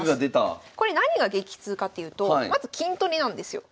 これ何が激痛かっていうとまず金取りなんですよ。